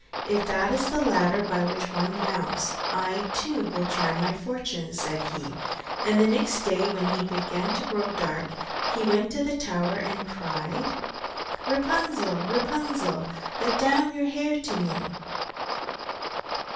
'If that is the ladder by which one mounts, I too will try my fortune,' said he, and the next day when it began to grow dark, he went to the tower and cried: 'Rapunzel, Rapunzel, Let down your hair to me.